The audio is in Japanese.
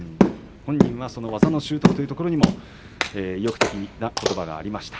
本人は技の修得ということにも意欲的なことばがありました。